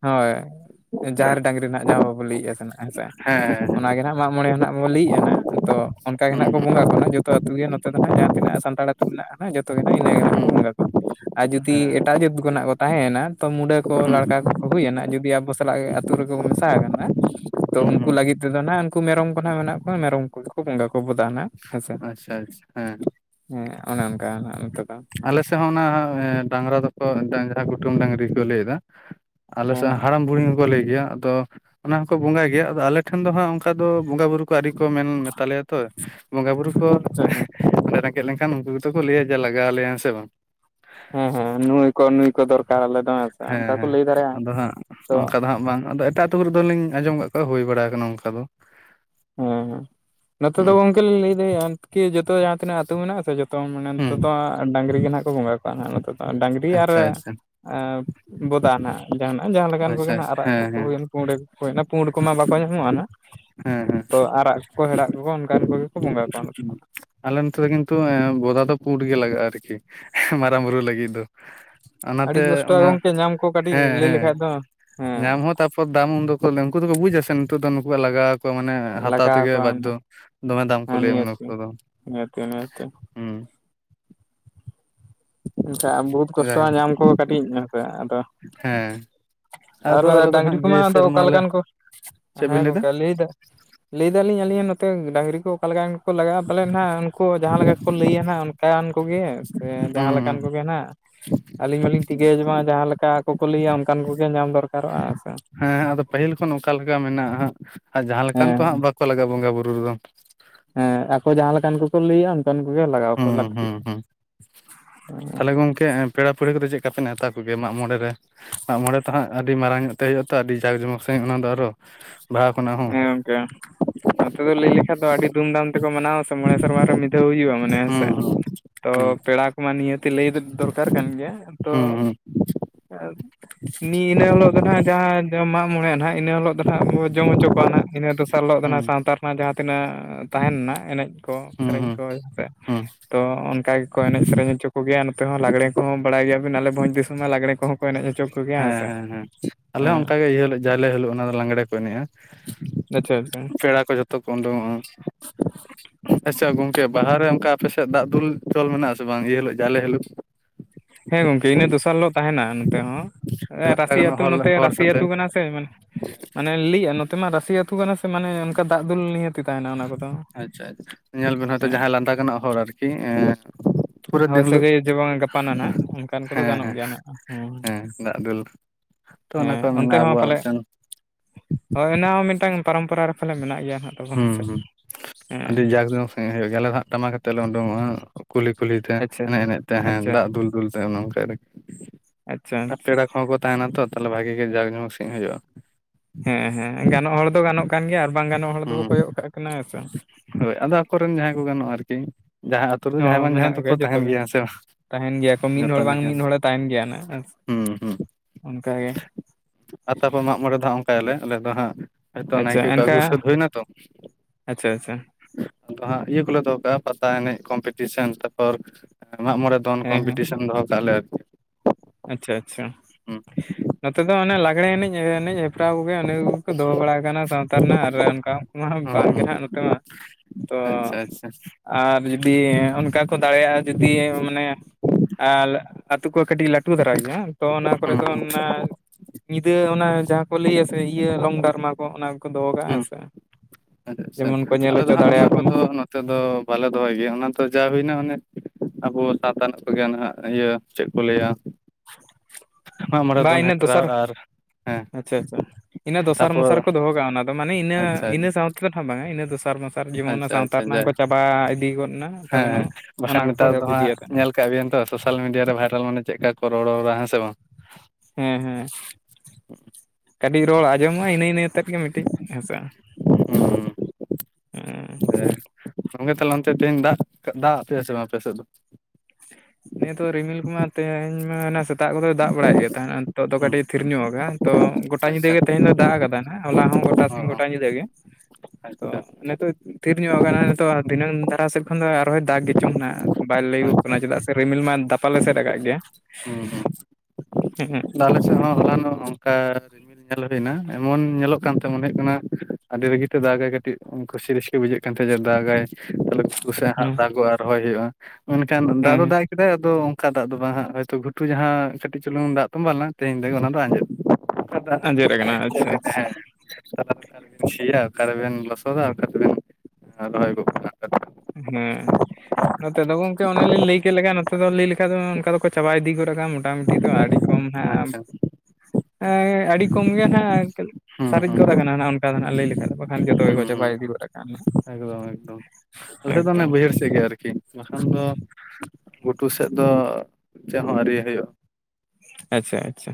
B: ᱦᱳᱭ ᱡᱟᱦᱮᱨ ᱰᱟᱸᱝᱨᱤ ᱱᱷᱟᱜ ᱡᱟᱸᱦᱟ ᱵᱚ ᱵᱚᱞᱤᱭᱮᱜ-ᱟ ᱥᱮ ᱱᱟᱜ ᱦᱮᱸ ᱥᱮ᱾
A: ᱦᱮᱸ᱾
B: ᱚᱱᱟᱜᱮ ᱱᱷᱟᱜ ᱢᱟᱜ ᱢᱚᱬᱮ ᱱᱷᱟᱜ ᱵᱚ ᱞᱟᱹᱭᱮᱜ-ᱟ ᱱᱟᱜ ᱛᱚ ᱚᱱᱠᱟ ᱜᱮ
A: ᱦᱩᱸ
B: ᱱᱷᱟᱜ
A: ᱦᱩᱸ
B: ᱠᱚ ᱵᱚᱸᱜᱟ ᱠᱚᱣᱟ ᱱᱷᱟᱜ ᱡᱚᱛᱚ ᱟᱛᱩ ᱜᱮ ᱱᱚᱛᱮ ᱫᱚ ᱱᱷᱟᱜ ᱡᱟᱸᱦᱟ ᱛᱤᱱᱟᱹᱜ ᱥᱟᱱᱛᱟᱲ ᱟ ᱛᱩ ᱢᱮᱱᱟᱜ-ᱟ ᱱᱷᱟᱜ ᱡᱚᱛᱚ ᱜᱮ ᱱᱷᱟᱜ ᱤᱱᱟᱹᱜᱮ ᱱᱟᱜ ᱠᱚ ᱵᱚᱸᱜᱟ ᱠᱚᱣᱟ᱾ ᱟᱨ ᱡᱩᱫᱤ
A: ᱦᱮᱸ
B: ᱮᱴᱟᱜ ᱡᱟᱹᱛ ᱠᱷᱚᱱᱟᱜ ᱠᱚ ᱛᱟᱸᱦᱮᱭᱮᱱᱟ ᱛᱚ ᱢᱩᱰᱟᱹ ᱠᱚ
A: ᱦᱩᱸ
B: ᱞᱟᱲᱠᱟ ᱠᱚᱠᱚ ᱦᱩᱭᱮᱱᱟ ᱡᱩᱫᱤ ᱟᱵᱚ ᱥᱟᱞᱟᱜ᱾ ᱛᱩ ᱨᱮᱠᱚ ᱢᱮᱥᱟ ᱠᱟᱱᱟ᱾ ᱛᱚ
A: ᱦᱩᱸ
B: ᱩᱱᱠᱩ
A: ᱦᱩᱸ
B: ᱞᱟᱜᱤᱫ ᱛᱮᱫᱚ ᱱᱷᱟᱜ ᱩᱱᱠᱩ ᱢᱮᱨᱚᱢ ᱠᱚ ᱱᱷᱟᱜ ᱢᱮᱱᱟᱜ ᱠᱚᱣᱟ ᱢᱮᱨᱚᱢ ᱠᱚ ᱠᱚ ᱵᱚᱸᱜᱟ ᱠᱚ ᱵᱚᱫᱟ ᱱᱟᱜ᱾ ᱦᱮᱸᱥᱮ
A: ᱟᱪ-ᱪᱷᱟ ᱟᱪᱪᱷᱟ ᱦᱮᱸ᱾
B: ᱦᱮᱸ ᱚᱱᱮ ᱚᱱᱠᱟ ᱱᱷᱟᱜ ᱚᱱᱛᱮ ᱫᱚ᱾
A: ᱟᱞᱮ ᱥᱮᱜ ᱦᱚᱸ ᱚᱱᱟ ᱰᱟᱸᱝᱨᱟ ᱫᱚᱠᱚ ᱰᱟᱸᱝᱨᱟ ᱠᱩᱴᱟᱹᱢ ᱰᱟᱸᱝᱨᱤ ᱠᱚ ᱞᱟᱹᱭ ᱫᱟ᱾ ᱟᱞᱮ
B: ᱦᱮᱸ
A: ᱥᱮᱜ
B: ᱦᱮᱸ
A: ᱦᱟᱲᱟᱢ ᱵᱩᱲᱦᱤ ᱦᱚᱸᱠᱚ ᱞᱟᱹᱭ ᱜᱮᱭᱟ ᱟᱫᱚ᱾ ᱚᱱᱟ ᱦᱚᱸᱠᱚ ᱵᱚᱸᱜᱟᱭ ᱜᱮᱭᱟ ᱟᱫᱚ ᱟᱞᱮ ᱴᱷᱮᱱ ᱫᱚ ᱦᱟᱸᱜ ᱚᱱᱠᱟ ᱫᱚ ᱵᱚᱸᱜᱟ ᱵᱩᱨᱩ ᱠᱚ ᱟᱹᱣᱨᱤ ᱠᱚ ᱢᱮᱱ ᱢᱮᱛᱟᱞᱮᱭᱟ ᱛᱚ᱾ ᱵᱚᱸᱜᱟ ᱵᱩᱨᱩ ᱠᱚ
B: ᱟᱪᱪᱷᱟ ᱟᱪᱪᱷᱟ
A: ᱨᱮᱸᱜᱮᱡ ᱞᱮᱱᱠᱷᱟᱱ ᱩᱱᱠᱩ ᱜᱮᱛᱚ ᱠᱚ ᱞᱟᱹᱭᱟ ᱡᱮ ᱞᱟᱜᱟᱣᱞᱮᱭᱟ ᱦᱮᱸ ᱥᱮ ᱵᱟᱝ᱾
B: ᱦᱮᱸ ᱦᱮᱸ ᱱᱩᱭ ᱠᱚ ᱱᱩᱭ ᱠᱚ ᱫᱚᱨᱠᱟᱨ ᱟᱞᱮ ᱫᱚ ᱦᱮᱸᱥᱮ
A: ᱦᱮᱸ
B: ᱚᱱᱠᱟ ᱠᱚ
A: ᱦᱮᱸ
B: ᱞᱟᱹᱭ ᱫᱟᱲᱮᱭᱟᱜᱼᱟ
A: ᱟᱫᱚ ᱦᱟᱸᱜ
B: ᱛᱚ
A: ᱚᱱᱠᱟ ᱫᱚ ᱦᱟᱸᱜ ᱵᱟᱝ ᱟᱫᱚ ᱮᱴᱟᱜ᱾ ᱟᱛᱩ ᱠᱚᱨᱮ ᱫᱚᱞᱤᱧ ᱟᱸᱡᱚᱢ ᱠᱟᱜ ᱠᱚᱣᱟ ᱦᱩᱭ ᱵᱟᱲᱟ ᱠᱟᱱᱟ ᱚᱱᱠᱟ ᱫᱚ᱾
B: ᱦᱩᱸ ᱦᱩ ᱱᱚᱛᱮ ᱫᱚ
A: ᱦᱩᱸ
B: ᱜᱚᱝᱠᱮ ᱞᱟᱹᱭ ᱫᱟᱹ ᱠᱤ ᱡᱚᱛᱚ ᱡᱟᱸᱦᱟ ᱛᱤᱱᱟᱹᱜ ᱟᱛᱩ ᱢᱮᱱᱟᱜ-ᱟ ᱥᱮ ᱡᱚ ᱛᱚ ᱢᱟᱱᱮ
A: ᱦᱩᱸ
B: ᱱᱚᱱᱛᱮ ᱫᱚ ᱰᱟᱸᱝᱨᱤ ᱜᱮ ᱱᱷᱟᱜ ᱠᱚ ᱵᱚᱸᱜᱟ ᱠᱚᱣᱟ ᱱᱷᱟᱜ ᱱᱚᱛᱮ ᱫᱚ ᱰᱟᱸᱝᱨᱤ ᱟᱨ᱾
A: ᱟᱪᱪᱷᱟ
B: ᱮᱸ
A: ᱟᱪᱪᱷᱟ
B: ᱵᱚᱫᱟ ᱱᱷᱟᱜ᱾ ᱡᱟᱸᱦᱟᱱᱟᱜ ᱡᱟᱸᱦᱟ ᱞᱮᱠᱟᱱ ᱠᱚᱜᱮ
A: ᱟᱪᱪᱷᱟ
B: ᱱᱷᱟᱜ
A: ᱟᱪᱪᱷᱟ
B: ᱟᱨᱟᱜ
A: ᱦᱮᱸ
B: ᱠᱚᱠᱚ
A: ᱦᱮᱸ
B: ᱦᱩᱭᱮᱱ ᱯᱩᱸᱲ ᱠᱚᱠᱚ ᱦᱩᱭᱱᱟ ᱯᱩᱸᱰ ᱠᱚᱢᱟ ᱵᱟᱠᱚ ᱧᱟᱢᱚᱜ-ᱟ ᱱᱷᱟᱜ᱾
A: ᱦᱮᱸ ᱦᱮᱸ᱾
B: ᱛᱚ ᱟᱨᱟᱜ ᱠᱚᱠᱚ ᱦᱮᱲᱟᱜ ᱠᱚᱠᱚ ᱚᱱᱠᱟᱱ ᱠᱚᱜᱮᱠᱚ ᱵᱚᱸᱜᱟ ᱠᱚᱣᱟ᱾
A: ᱦᱩᱸ᱾
B: [UNINTELLIGIBLE]
A: ᱟᱞᱮ ᱱᱚᱛᱮ ᱫᱚ ᱠᱤᱱᱛᱩ ᱵᱚᱫᱟ ᱫᱚ ᱯᱩᱰ ᱜᱮ ᱞᱟᱜᱟᱜ-ᱟ ᱟᱨᱠᱤ ᱢᱟᱨᱟᱝ ᱵᱩᱨᱩ ᱞᱟᱹᱜᱤᱜ ᱫᱚ ᱾
B: ᱟᱹᱰᱤ
A: ᱚᱱᱟᱛᱮ
B: ᱠᱚᱥᱴᱚᱜᱼᱟ
A: ᱚᱱᱟ
B: ᱜᱚᱝᱠᱮ ᱧᱟᱢ ᱠᱚ ᱠᱟᱹᱴᱤᱡ
A: ᱦᱮᱸ
B: ᱞᱟᱹᱭ
A: ᱦᱮᱸ
B: ᱞᱮᱠᱷᱟᱡ ᱫᱚ ᱦᱮᱸ
A: ᱧᱟᱢ ᱦᱚᱸ᱾ ᱛᱟᱯᱚᱨ ᱫᱟᱢ ᱦᱚ ᱩᱱ ᱫᱚᱠᱚ [UNINTELLIGIBLE] ᱩᱱᱠᱩ ᱫᱚᱠᱚ ᱵᱩᱡᱽ-ᱟ ᱥᱮ ᱱᱤᱛᱚᱜ ᱫᱚ ᱱᱩᱠᱩᱣᱟᱜ ᱞᱟᱜᱟ ᱩᱱᱠᱚ ᱢᱟᱱᱮ ᱦᱟᱛᱟᱣ
B: ᱞᱟᱜᱟᱣ
A: ᱛᱮᱜᱮ ᱵᱟᱫᱽᱫᱷᱚ
B: ᱠᱚᱣᱟ
A: ᱫᱚᱢᱮ ᱫᱟᱢ ᱠᱚ
B: ᱦᱮᱸ
A: ᱞᱟᱹᱭᱟ ᱩᱱ
B: ᱱᱤᱭᱟᱹᱛᱤ
A: ᱚᱠᱛᱚ ᱫᱚ ᱾
B: [UNINTELLIGIBLE]
A: ᱦᱩᱸ᱾
B: ᱚᱱᱠᱟ ᱟᱨ ᱵᱩᱦᱩᱛ ᱠᱚᱥᱴᱚ ᱦᱟᱜ
A: ᱡᱟᱭᱦᱳᱠ
B: ᱧᱟᱢ ᱠᱩ ᱠᱟᱹᱴᱤᱡ ᱦᱮᱸᱥᱮ ᱟᱫᱚ᱾
A: ᱦᱮᱸ᱾ ᱟᱫᱚ ᱟᱞᱮ
B: ᱟᱨ
A: ᱫᱚ
B: ᱰᱟᱝᱨᱤ
A: ᱦᱟᱸᱜ ᱡᱮ
B: ᱠᱚᱢᱟ ᱟᱫᱚ ᱚᱠᱟ
A: ᱥᱮᱨᱢᱟ ᱞᱮ
B: ᱞᱮᱠᱟᱱ ᱠᱚ
A: ᱪᱮᱫ
B: ᱦᱮᱸ
A: ᱵᱤᱱ
B: ᱜᱚᱝᱠᱮ ᱞᱟᱹᱭᱫᱟ, ᱞᱟᱹᱭᱫᱟᱞᱤᱧ ᱟᱹᱞᱤᱧ ᱦᱚᱸ ᱱᱚᱛᱮ ᱰᱟᱝᱨᱤ ᱠᱩ ᱚᱠᱟ ᱞᱮᱠᱟᱱ, ᱞᱟᱜᱟᱜᱼᱟ ᱯᱟᱞᱮᱱ ᱦᱟᱸᱜ ᱩᱱᱠᱩ ᱡᱟᱦᱟᱸ ᱞᱮᱠᱟ ᱠᱚ ᱞᱟᱹᱭᱟ ᱦᱟᱸᱜ ᱚᱱᱠᱟᱱ ᱠᱚᱜᱮ ᱥᱮ ᱡᱟᱦᱟᱸ ᱞᱮ-
A: ᱦᱩᱸ
B: ᱡᱟᱱᱟᱜ ᱟᱹᱞᱤᱧ ᱢᱟᱞᱤᱧ ᱴᱷᱤᱠᱟᱹᱭᱟ ᱡᱮ ᱵᱟᱝ ᱡᱟᱦᱟᱸ ᱞᱮᱠᱟ ᱟᱠᱚ ᱠᱚ ᱞᱟᱹᱭᱟ ᱚᱱᱠᱟᱱ ᱠᱩᱜᱮ ᱧᱟᱢ ᱫᱚᱨᱠᱟᱨᱚᱜᱼᱟ ᱦᱮᱸᱥᱮ᱾
A: ᱦᱮᱸ ᱟᱫᱚ ᱯᱟᱹᱦᱤᱞ ᱠᱷᱚᱱ ᱚᱠᱟ ᱞᱮᱠᱟ ᱢᱮᱱᱟᱜᱼᱟ ᱦᱟᱸᱜ ᱟᱨ ᱡᱟᱦᱟᱸ ᱞᱮᱠᱟᱱ ᱛᱚ ᱦᱟᱸᱜ ᱵᱟᱠᱚ ᱞᱟᱜᱟᱜᱼᱟ ᱵᱚᱸᱜᱟ ᱵᱩᱨᱩ ᱨᱮᱫᱚ᱾
B: ᱮᱸ ᱟᱠᱚ ᱡᱟᱦᱟᱸ ᱞᱮᱠᱟᱱ ᱠᱚᱠᱚ ᱞᱟᱹᱭᱟ ᱚᱱᱠᱟᱱ ᱠᱚᱜᱮ ᱞᱟᱜᱟᱣ ᱠᱚ
A: ᱦᱩᱸ
B: ᱞᱟᱹᱠᱛᱤ
A: ᱦᱩᱸ [INAUDIBLE]
B: [INAUDIBLE]
A: ᱛᱟᱦᱚᱞᱮ ᱜᱚᱝᱠᱮ ᱯᱮᱲᱟ ᱯᱟᱹᱲᱦᱟᱹ ᱠᱚᱫᱚ ᱪᱮᱜ ᱠᱟᱯᱮ ᱱᱮᱶᱛᱟ ᱠᱚᱜᱮᱭᱟ ᱢᱟᱜᱽ ᱢᱚᱬᱮ ᱨᱮ᱾ ᱢᱟᱜᱽ ᱢᱚᱬᱮ ᱛᱮ ᱦᱟᱸᱜ ᱟᱹᱰᱤ ᱢᱟᱨᱟᱝ ᱧᱚᱜ ᱛᱮ ᱦᱩᱭᱩᱜᱼᱟ ᱛᱚ ᱟᱹᱰᱤ ᱡᱟᱸᱠ ᱡᱚᱢᱚᱠ ᱥᱟᱺᱦᱤᱡ ᱚᱱᱟ ᱫᱚ ᱟᱨᱚ, ᱵᱟᱦᱟ ᱠᱷᱚᱱᱟᱜ ᱦᱚᱸ
B: ᱦᱮᱸ ᱜᱚᱝᱠᱮ ᱱᱚᱛᱮ ᱫᱚ ᱞᱟᱹᱭ ᱞᱮᱠᱷᱟ ᱫᱚ ᱟᱹᱰᱤ ᱫᱷᱩᱢᱫᱷᱟᱢ ᱛᱮᱠᱚ ᱢᱟᱱᱟᱣᱟ ᱥᱮ᱾ ᱢᱚᱬᱮ ᱥᱮᱨᱢᱟᱨᱮ ᱢᱤᱫᱫᱷᱟᱹᱣ ᱦᱩᱭᱩᱜᱼᱟ ᱢᱟᱱᱮ ᱦᱮᱸᱥᱮ,
A: ᱦᱩᱸ
B: ᱛᱚ
A: ᱦᱩᱸ
B: ᱯᱮᱲᱟ ᱠᱚᱢᱟ ᱱᱤᱦᱟᱹᱛᱤ ᱞᱟᱹᱭ ᱫᱚᱨᱠᱟᱨ ᱠᱟᱱ ᱜᱮᱭᱟ ᱛᱚ,
A: ᱦᱩᱸ ᱦᱩᱸ ᱦᱩᱸ
B: ᱱᱤ ᱤᱱᱟᱹ ᱦᱤᱞᱳᱜ ᱫᱚ ᱱᱟᱦᱟᱜ ᱡᱟᱦᱟᱸ ᱢᱟᱜᱽ ᱢᱚᱬᱮ ᱱᱟᱦᱟᱜ ᱤᱱᱟᱹ ᱦᱤᱞᱳᱜ ᱫᱚ ᱦᱟᱸᱜ ᱵᱚ ᱡᱚᱢ ᱦᱚᱪᱚ ᱠᱚ, ᱠᱩᱣᱟᱱᱟᱜ ᱤᱱᱟᱹ ᱫᱚᱥᱟᱨ ᱦᱤᱞᱳᱜ ᱫᱚ
A: ᱦᱩᱸ
B: ᱚᱱᱟ ᱥᱟᱶᱛᱟ ᱨᱮᱱᱟᱜ ᱡᱟᱦᱟᱸ ᱛᱤᱱᱟᱹᱜ ᱛᱟᱦᱮᱱ ᱱᱟᱜ ᱮᱱᱮᱡ ᱠᱚ
A: ᱦᱩᱸ ᱦᱩᱸ
B: ᱥᱮᱨᱮᱧ
A: ᱦᱩᱸ
B: ᱠᱚ ᱡᱷᱚᱛᱮ, ᱛᱚ ᱚᱱᱠᱟ ᱜᱮᱠᱚ ᱮᱱᱮᱡ ᱥᱮᱨᱮᱧ ᱦᱚᱪᱚ ᱠᱚᱜᱮᱭᱟ ᱱᱚᱛᱮ ᱦᱚᱸ ᱞᱟᱜᱽᱲᱮ ᱠᱚᱦᱚᱸ ᱵᱟᱲᱟᱭ ᱜᱮᱭᱟᱵᱤᱱ ᱟᱞᱮ ᱵᱷᱚᱸᱡᱽ ᱫᱤᱥᱚᱢ ᱢᱟ ᱞᱟᱜᱽᱲᱮ ᱠᱚᱦᱚᱸ ᱠᱚ ᱮᱱᱮᱡ ᱦᱚᱪᱚ ᱠᱚᱜᱮᱭᱟ
A: ᱦᱮᱸ
B: ᱥᱮ
A: ᱦᱮᱸ ᱦᱮᱸ ᱟᱞᱮ ᱦᱚᱸ
B: ᱦᱮᱸ
A: ᱚᱱᱠᱟᱜᱮ ᱤᱭᱟᱹ ᱦᱤᱞᱳᱜ ᱡᱟᱦᱟᱸᱞᱮ ᱦᱤᱞᱳᱜ ᱚᱱᱟ ᱫᱚ ᱞᱟᱜᱽᱲᱮ ᱠᱚ ᱮᱱᱮᱡᱼᱟ᱾
B: [UNINTELLIGIBLE]
A: ᱯᱮᱲᱟ ᱠᱚ ᱡᱷᱚᱛᱚ ᱠᱚ ᱩᱰᱩᱝᱚᱜᱼᱟ᱾ ᱟᱪᱪᱷᱟ ᱜᱚᱝᱠᱮ ᱵᱟᱦᱟᱨᱮ ᱚᱱᱠᱟ ᱟᱯᱮ ᱥᱮᱫ ᱫᱟᱜ ᱫᱩᱞ ᱪᱚᱞ ᱢᱮᱱᱟᱜ ᱟᱥᱮ ᱵᱟᱝ ᱤᱭᱟᱹ ᱦᱤᱞᱳᱜ ᱡᱟᱞᱮ ᱦᱤᱞᱳᱜ?
B: ᱦᱮᱸ ᱜᱚᱝᱠᱮ ᱤᱱᱟᱹ ᱫᱚᱥᱟᱨ ᱦᱤᱞᱳᱜ ᱛᱟᱦᱮᱱᱟ ᱱᱚᱛᱮ ᱦᱚᱸ
A: ᱞᱟᱸᱫᱟ
B: ᱨᱟᱥᱤ
A: ᱜᱟᱱᱚᱜ
B: ᱟᱛᱳ
A: ᱦᱚᱲ
B: ᱱᱚᱛᱮ
A: ᱦᱚᱲ
B: ᱨᱟᱥᱤ
A: ᱥᱟᱛᱮ
B: ᱟᱹᱛᱩ ᱠᱟᱱᱟ ᱥᱮ ᱢᱟᱱᱮ ᱞᱟᱹᱭᱮᱜᱼᱟ ᱱᱚᱛᱮ ᱢᱟ ᱨᱟᱥᱤ ᱟᱛᱳ ᱠᱟᱱᱟ ᱥᱮ ᱢᱟᱱᱮ ᱚᱱᱠᱟ ᱫᱟᱜ ᱫᱩᱞ ᱱᱤᱦᱟᱹᱛ
A: ᱟᱪᱪᱷᱟ ᱟᱪᱪᱷᱟ ᱧᱮᱞ ᱵᱮᱤᱱ ᱦᱚᱭᱛᱳ
B: ᱦᱮᱸ
A: ᱡᱟᱦᱟᱸᱭ ᱞᱟᱸᱫᱟ ᱜᱟᱱᱚᱜ ᱦᱚᱲ ᱟᱨᱠᱤ ᱮᱸ ᱯᱩᱨᱟᱹ ᱫᱤᱱ
B: ᱦᱳᱭ
A: ᱦᱤᱞᱳᱜ
B: ᱥᱟᱹᱜᱟᱹᱭ ᱡᱮ ᱵᱟᱝ ᱜᱟᱯᱟᱱ ᱟᱱᱟᱜ ᱚᱱᱠᱟᱱ ᱠᱚᱫᱚ
A: ᱦᱮᱸ
B: ᱜᱟᱱᱚᱜ
A: ᱦᱮᱸ
B: ᱜᱮᱭᱟ ᱦᱮᱸ
A: ᱫᱟᱜ ᱫᱩᱞ ᱛᱚ ᱚᱱᱟ
B: ᱦᱮᱸ
A: ᱠᱚ
B: ᱚᱱᱛᱮ
A: ᱢᱮᱱᱟᱜᱼᱟ
B: ᱦᱚᱸ
A: ᱟᱵᱚᱣᱟᱜ
B: ᱯᱟᱞᱮᱫ
A: ᱢᱤᱫᱴᱮᱱ
B: ᱦᱳᱭ ᱚᱱᱟ ᱦᱚᱸ ᱢᱤᱫᱴᱟᱝ ᱯᱚᱨᱚᱢᱯᱚᱨᱟ ᱨᱮ ᱯᱟᱞᱮ ᱢᱮᱱᱟᱜ ᱜᱮᱭᱟ ᱦᱟᱸᱜ᱾ ᱛᱟᱵᱚ ᱦᱮᱸ
A: ᱦᱩᱸ
B: ᱥᱮ
A: ᱦᱩ
B: ᱦᱮᱸ
A: ᱟᱹᱰᱤ ᱡᱟᱠ ᱡᱚᱢᱚᱠ ᱥᱟᱹᱦᱤᱡ ᱦᱩᱭᱩᱜ ᱜᱮᱭᱟ ᱟᱞᱮ ᱫᱚ ᱦᱟᱸᱜ ᱴᱟᱢᱟᱠ ᱟᱛᱮᱜ ᱞᱮ ᱩᱰᱩᱝᱚᱜᱼᱟ᱾ ᱠᱩᱞᱦᱤ ᱠᱩᱞᱦᱤ ᱛᱮ
B: ᱟᱪᱪᱷᱟ
A: ᱮᱱᱮᱡ ᱮᱱᱮᱡ ᱛᱮ
B: ᱟᱪᱪᱷᱟ
A: ᱦᱮᱸ
B: ᱟᱪᱪᱷᱟ
A: ᱫᱟᱜ ᱫᱩᱞ ᱫᱩᱞ ᱛᱮ ᱚᱱᱮ ᱚᱱᱠᱟ ᱟᱨᱠᱤ,
B: ᱟᱪᱪᱷᱟ
A: ᱟᱨ
B: ᱟᱪᱪᱷᱟ
A: ᱯᱮᱲᱟ ᱠᱚᱦᱚᱸ ᱠᱚᱸ ᱛᱟᱦᱮᱱᱟ ᱛᱚ ᱛᱟᱦᱚᱞᱮ ᱵᱷᱟᱜᱮ ᱜᱮ ᱡᱟᱠ ᱡᱚᱢᱚᱠ ᱥᱟᱹᱦᱤᱡ ᱦᱩᱭᱩᱜᱼᱟ ᱾
B: ᱦᱮᱸ ᱦᱮᱸ ᱜᱟᱱᱚᱜ ᱦᱚᱲ ᱫᱚ ᱜᱟᱱᱚᱜ ᱠᱟᱱ ᱜᱮᱭᱟ ᱟᱨ ᱵᱟᱝ ᱜᱟᱱᱚᱜ ᱦᱚᱲ
A: ᱦᱩᱸ
B: ᱫᱚᱠᱚ ᱠᱚᱭᱚᱜ ᱠᱟᱜ ᱠᱟᱱᱟ ᱦᱮᱸᱥᱮ,
A: ᱦᱳᱭ ᱟᱫᱚ ᱟᱠᱚᱨᱮᱱ ᱡᱟᱦᱟᱸᱭ ᱠᱚ ᱜᱟᱱᱚᱜᱼᱟ ᱟᱨᱠᱤ ᱡᱟᱦᱟᱸᱭ ᱟᱛᱳ ᱨᱮ ᱡᱟᱦᱟᱸᱭ
B: ᱦᱚᱸ
A: ᱵᱟᱝ
B: ᱢᱮᱱᱟᱜ
A: ᱡᱟᱦᱟᱸᱭ ᱫᱚᱠᱚ
B: ᱠᱚᱜᱮᱭᱟ ᱡᱚᱛᱚ
A: ᱛᱟᱦᱮᱱ
B: ᱜᱮ
A: ᱜᱮᱭᱟ ᱦᱮᱸ ᱥᱮ,
B: ᱛᱟᱦᱮᱱ ᱜᱮᱭᱟ ᱠᱚ ᱢᱤᱫ
A: ᱡᱚᱛᱚ
B: ᱦᱚᱲ ᱵᱟᱝ
A: ᱞᱮᱠᱟᱱ
B: ᱢᱤᱫ ᱦᱚᱲᱮ ᱛᱟᱦᱮᱱ ᱜᱮᱭᱟ ᱱᱟᱜ
A: ᱦᱩᱸ ᱦᱩᱸ
B: ᱚᱱᱠᱟᱜᱮ,
A: ᱟᱨ ᱛᱟᱯᱚᱨ ᱢᱟᱜᱽ ᱢᱚᱬᱮ ᱫᱚ ᱦᱟᱸᱜ ᱚᱱᱠᱟᱭᱟᱞᱮ ᱟᱞᱮ ᱫᱚ ᱦᱟᱸᱜ ᱦᱚᱭᱛᱳ
B: ᱟᱪᱪᱷᱟ
A: ᱱᱟᱭᱠᱮ ᱠᱚ
B: ᱮᱱᱠᱟ
A: ᱟᱹᱜᱩ ᱛᱳᱫ ᱦᱳᱭᱱᱟ ᱛᱚ,
B: ᱟᱪᱪᱷᱟ ᱟᱪᱪᱷᱟ
A: ᱟᱫᱚ ᱦᱟᱸᱜ ᱤᱭᱟᱹ ᱠᱚᱞᱮ ᱫᱚᱦᱚ ᱠᱟᱜᱼᱟ ᱯᱟᱛᱟ ᱮᱱᱮᱡ ᱠᱚᱢᱯᱤᱴᱤᱥᱮᱱ ᱛᱟᱯᱚᱨ ᱢᱟᱜᱽ ᱢᱚᱬᱮ ᱫᱚ ᱫᱚᱱ
B: ᱦᱮᱸ ᱦᱮᱸ
A: ᱠᱚᱢᱯᱤᱴᱤᱥᱮᱱ ᱫᱚᱦᱚ ᱠᱟᱜᱼᱟ ᱞᱮ ᱟᱨᱡᱤ,
B: ᱟᱪᱪᱷᱟ ᱟᱪᱪᱷᱟ᱾
A: ᱦᱩᱸ᱾
B: ᱱᱚᱛᱮ ᱫᱚ ᱚᱱᱮ ᱞᱟᱜᱽᱲᱮ ᱮᱱᱮᱡ ᱮᱱᱮᱡ ᱮ, ᱦᱮᱯᱨᱟᱣ ᱠᱚᱜᱮ ᱤᱱᱟᱹ ᱠᱚᱜᱮ ᱠᱚ ᱫᱚᱦᱚ ᱵᱟᱲᱟ ᱠᱟᱱᱟ ᱾ᱚᱱᱟ ᱥᱟᱶᱛᱟ ᱨᱮᱱᱟᱜ ᱟᱨ ᱚᱱᱠᱟ ᱢᱟ
A: ᱦᱩᱸ
B: ᱵᱟᱝᱜᱮ ᱦᱟᱸᱜ ᱱᱚᱛᱮ ᱢᱟ, ᱛᱚ
A: ᱟᱪᱪᱷᱟ ᱟᱪᱪᱷᱟ᱾
B: ᱟᱨ ᱡᱩᱫᱤ ᱚᱱᱠᱟ ᱠᱚ ᱫᱟᱲᱮᱭᱟᱜᱼᱟ ᱡᱩᱫᱤ ᱢᱟᱱᱮ ᱟᱞ ᱟᱹᱛᱩ ᱠᱚ ᱠᱟᱹᱴᱤᱡ ᱞᱟᱹᱴᱩ ᱫᱷᱟᱨᱟ ᱜᱮᱭᱟ ᱛᱚ ᱚᱱᱟ ᱠᱚᱨᱮ
A: ᱦᱩᱸ
B: ᱫᱚ ᱚᱱᱟ ᱧᱤᱫᱟᱹ ᱚᱱᱟ ᱡᱟᱦᱟᱸ ᱠᱚ ᱞᱟᱹᱭᱟ ᱥᱮ ᱤᱭᱟᱹ ᱞᱚᱝ ᱰᱟᱨᱢᱟ ᱠᱚ ᱚᱱᱟ ᱠᱚᱠᱚ ᱫᱚᱦᱚ ᱠᱟᱜᱼᱟ, ᱦᱮᱸ ᱥᱮ᱾
A: ᱟᱹᱰᱤ ᱟᱪᱪᱷᱟ
B: ᱡᱮᱢᱚᱱ ᱠᱚ ᱧᱮᱞ
A: ᱟᱞᱮ ᱫᱚ
B: ᱦᱚᱪᱚ
A: ᱦᱟᱸᱜ ᱚᱱᱟ
B: ᱫᱟᱲᱮᱭᱟᱠᱚ ᱢᱟ
A: ᱠᱚᱫᱚ ᱱᱚᱛᱮ ᱫᱚ ᱵᱟᱞᱮ ᱫᱚᱦᱚᱭ ᱜᱮᱭᱟ ᱚᱱᱟ ᱫᱚ ᱡᱟ ᱦᱩᱭᱱᱟ ᱚᱱᱮ ᱟᱵᱚ ᱥᱟᱶᱛᱟ ᱨᱮᱱᱟᱜ ᱠᱚᱜᱮ ᱚᱱᱟ ᱤᱭᱟᱹ, ᱪᱮᱫ ᱠᱚ ᱞᱟᱹᱭᱟ? ᱢᱟᱜ
B: [INAUDIBLE]
A: ᱢᱚᱬᱮ
B: ᱵᱟ
A: ᱫᱚᱱ
B: ᱤᱱᱟᱹ
A: ᱦᱮᱯᱨᱟᱣ
B: ᱫᱚᱥᱟᱨ,
A: ᱟᱨ ᱦᱮᱸ
B: ᱟᱪᱪᱷᱟ ᱟᱪᱪᱷᱟ, ᱤᱱᱟᱹ ᱫᱚᱥᱟᱨ ᱢᱚᱥᱟᱨ
A: ᱛᱟᱯᱚᱨ
B: ᱠᱚ ᱫᱚᱦᱚ ᱠᱟᱜᱼᱟ ᱚᱱᱟ ᱫᱚ ᱢᱟᱱᱮ ᱤᱱᱟᱹ
A: ᱟᱪᱪᱷᱟ
B: ᱤᱱᱟᱹ ᱥᱟᱶᱛᱮᱫᱚ ᱱᱟᱦᱟᱜ ᱵᱟᱝᱟ ᱤᱱᱟᱹ ᱫᱚᱥᱟᱨ ᱢᱥᱟᱨ ᱡᱮᱢᱚᱱ ᱚᱱᱟ
A: ᱟᱪᱪᱷᱟ
B: ᱥᱟᱶᱛᱟ
A: ᱟᱪᱪᱷᱟ
B: ᱨᱮᱱᱟᱝ ᱠᱚ
A: ᱡᱟᱭᱦᱳᱠ
B: ᱪᱟᱵᱟ ᱤᱫᱤ ᱜᱚᱫᱱᱟ,
A: ᱦᱮᱸ, ᱵᱟᱠᱷᱟᱱ ᱱᱮᱛᱟᱨ ᱫᱚ ᱦᱟᱸᱜ ᱧᱮᱞ ᱠᱮᱜ-ᱟ ᱵᱤᱱ ᱛᱚ ᱥᱳᱥᱟᱞ ᱢᱤᱰᱤᱭᱟ ᱨᱮ ᱵᱷᱟᱭᱨᱟᱞ ᱢᱟᱱᱮ ᱪᱮᱫᱠᱟ ᱠᱚ ᱨᱚᱨᱚᱲᱟ, ᱦᱮᱸ ᱥᱮ ᱵᱟᱝ?
B: ᱦᱮᱸ ᱦᱮᱸ, ᱠᱟᱹᱴᱤᱡ ᱨᱚᱲ ᱟᱸᱡᱚᱢᱚᱜ-ᱟ ᱤᱱᱟᱹ ᱤᱱᱟᱹ ᱛᱮᱫ᱾ ᱜᱮ ᱢᱤᱫᱴᱤᱡ ᱦᱮᱸ-ᱥᱮ᱾ [INAUDIBLE]
A: ᱦᱮᱸ, ᱜᱚᱝᱠᱮ ᱛᱟᱞᱦᱮ ᱚᱱᱛᱮ ᱛᱤᱦᱤᱧ ᱫᱟᱜ ᱫᱟᱜ ᱟᱜ ᱯᱮᱭᱟᱭ ᱥᱮ ᱵᱟᱝ ᱟᱯᱮ ᱥᱮᱫ ᱫᱚ?
B: ᱱᱮᱜ-ᱮ ᱛᱳᱜ ᱨᱤᱢᱤᱞ ᱠᱚᱢᱟ ᱛᱮᱦᱮᱧ ᱢᱟ ᱦᱮᱱᱟ ᱥᱮᱛᱟᱜ ᱠᱚᱫᱚᱭ ᱫᱟᱜ ᱵᱟᱲᱟᱭᱮᱫ ᱜᱮ ᱛᱟᱦᱮᱱ ᱱᱤᱛᱚᱜ ᱫᱚ
A: ᱦᱩᱸ
B: ᱠᱟᱹᱴᱤᱡ ᱛᱷᱤᱨ ᱧᱚᱜ ᱠᱟᱜ-ᱟ᱾ ᱛᱚ ᱜᱚᱴᱟ ᱧᱤᱫᱟᱹ
A: ᱟᱪᱪᱷᱟ
B: ᱜᱮ ᱛᱮᱦᱮᱧ ᱫᱚᱭ ᱫᱟᱜ ᱟᱠᱟᱫᱟ ᱱᱟᱸᱜ ᱦᱚᱞᱟ ᱦᱚᱸ
A: ᱚ
B: ᱜᱚᱴᱟ ᱥᱤᱧ
A: ᱚ
B: ᱜᱚᱴᱟ ᱧᱤᱫᱟᱹ ᱜᱮ᱾ ᱛᱚ
A: ᱟᱪᱪᱷᱟ ᱟᱪᱪᱷᱟ
B: ᱱᱤᱛᱚᱜ ᱛᱷᱤᱨ ᱧᱚᱜ ᱟᱠᱟᱱᱟ ᱱᱤᱛᱚᱜ ᱫᱷᱤᱱᱟᱹᱝ ᱫᱷᱟᱨᱟ ᱥᱮᱫ ᱠᱷᱚᱱ ᱫᱚ ᱟᱨ ᱦᱚᱭ ᱫᱟᱜ ᱜᱮᱪᱚᱝ ᱱᱟᱜ, ᱵᱟᱭ ᱞᱟᱹᱭᱚᱜ
A: ᱟᱪᱪᱷᱟ
B: ᱠᱟᱱᱟ ᱪᱮᱫᱟᱜ ᱥᱮ ᱨᱤᱢᱤᱞ ᱢᱟᱭ ᱫᱟᱯᱟᱞ ᱮᱥᱮᱫ ᱟᱠᱟᱫ ᱜᱮᱭᱟ᱾
A: ᱦᱩᱸ ᱦᱩᱸ᱾
B: ᱦᱩᱸ᱾
A: ᱟᱞᱮ ᱥᱮᱫ ᱦᱚᱸ ᱦᱚᱞᱟ ᱱᱚᱜ ᱚᱱᱠᱟᱭ ᱨᱤᱢᱤᱞ ᱨᱤᱢᱤᱞ ᱧᱮᱞ ᱦᱩᱭᱱᱟ, ᱮᱢᱚᱱ ᱧᱮᱞᱚᱜ ᱠᱟᱱ ᱛᱟᱦᱮᱱ ᱢᱚᱱᱮ ᱦᱩᱭᱩᱜ ᱠᱟᱱᱟ ᱟᱹᱰᱤ ᱨᱟᱹᱜᱤ ᱛᱮ ᱫᱟᱜᱟᱭ ᱠᱟᱹᱴᱤᱡ ᱠᱷᱩᱥᱤ ᱨᱟᱹᱥᱠᱟᱹ ᱵᱩᱡᱷᱟᱹᱜ ᱠᱟᱱ ᱛᱟᱦᱮᱜ ᱡᱮ ᱫᱟᱜᱟᱭ ᱛᱟᱦᱚᱞᱮ ᱜᱷᱩᱴᱩ ᱥᱮᱫ ᱦᱟᱸᱜ
B: ᱦᱮᱸ
A: ᱫᱟᱜᱚᱼᱟ ᱨᱚᱦᱚᱭ ᱦᱩᱭᱩᱜᱼᱟ ᱢᱮᱱᱠᱷᱟᱱ ᱫᱟᱜ ᱫᱚ
B: ᱦᱮᱸ
A: ᱫᱟᱜ ᱠᱮᱫᱟᱭ ᱟᱫᱚ ᱚᱱᱠᱟ ᱫᱟᱜ ᱫᱚ ᱵᱟᱝ ᱦᱟᱸᱜ ᱦᱚᱭᱛᱚ ᱜᱷᱩᱴᱩ ᱡᱟᱦᱟᱸ ᱠᱟᱹᱴᱤᱡ ᱪᱩᱞᱩᱝ ᱫᱟᱜ ᱛᱚᱢᱵᱟ ᱞᱮᱱᱟ ᱛᱮᱦᱮᱧ ᱛᱮᱜᱮ ᱚᱱᱟ ᱫᱚ ᱟᱸᱡᱮᱫ ᱚᱱᱠᱟ ᱫᱟᱜ
B: ᱟᱸᱡᱮᱫ ᱟᱠᱟᱱᱟ
A: ᱦᱤᱡᱩᱜ
B: ᱟᱪᱪᱷᱟ
A: ᱠᱟᱱ
B: ᱟᱪᱪᱷᱟ
A: ᱛᱟᱦᱮᱱᱟ ᱛᱟᱦᱚᱞᱮ ᱟᱫᱚ ᱚᱠᱟᱨᱮᱵᱤᱱ ᱥᱤᱭᱟ ᱚᱠᱟᱨᱮᱵᱮᱱ ᱞᱚᱥᱚᱫᱟ ᱚᱠᱟᱨᱮᱫᱚᱵᱮᱱ ᱨᱚᱦᱚᱭ ᱜᱚᱜ ᱠᱟᱜ-ᱟ ᱟᱫᱚ᱾
B: ᱦᱮᱸ, ᱱᱚᱛᱮ ᱫᱚ ᱜᱚᱝᱠᱮ ᱚᱱᱮᱞᱤᱧ ᱞᱟᱹᱭ ᱠᱮᱫ ᱞᱮᱠᱟ ᱱᱚᱛᱮ ᱫᱚ ᱞᱟᱹᱭᱞᱮᱠᱟ ᱫᱚ ᱚᱱᱠᱟ ᱫᱚ ᱠᱟᱹᱡ ᱪᱟᱵᱟ ᱤᱫᱤ ᱜᱚᱫ ᱠᱟᱜ-ᱟ ᱢᱚᱴᱟᱢᱩᱴᱤ ᱛᱚ ᱟᱹᱰᱤ ᱠᱚᱢ ᱱᱟᱜ
A: ᱟᱪᱪᱷᱟ
B: ᱮᱸ ᱟᱹᱰᱤ ᱠᱚᱢ ᱜᱮ ᱱᱟᱦᱟᱜ [UNINTELLIGIBLE]
A: ᱦᱩᱸ
B: ᱥᱟᱨᱮᱡ
A: ᱦᱩᱸ
B: ᱜᱚᱫ ᱟᱠᱟᱱᱟ ᱱᱟᱜ ᱚᱱᱠᱟ ᱫᱚ ᱱᱟᱜ ᱞᱟᱹᱭ ᱞᱮᱠᱷᱟᱡ ᱫᱚ ᱵᱟᱠᱷᱟᱱ ᱡᱚᱛᱚ ᱜᱮᱠᱚ
A: ᱦᱩᱸ ᱦᱩᱸ
B: ᱪᱟᱵᱟ ᱤᱫᱤ ᱜᱚᱫ ᱠᱟᱜ-ᱟ ᱱᱚᱣᱟ᱾
A: ᱮᱠᱫᱚᱢ ᱮᱠᱫᱚᱢ, ᱟᱞᱮ ᱥᱮᱫ ᱫᱚ ᱚᱱᱮ ᱵᱟᱹᱭᱦᱟᱹᱲ ᱥᱮᱫ ᱜᱮ ᱟᱨᱠᱤ, ᱵᱟᱠᱷᱟᱱ ᱫᱚ ᱜᱷᱩᱴᱩ ᱥᱮᱫ ᱫᱚ ᱪᱮᱫ ᱦᱚᱸ ᱟᱹᱣᱨᱤ ᱦᱩᱭᱩᱜᱼᱟ?
B: ᱟᱪᱪᱷᱟ ᱟᱪᱪᱷᱟ᱾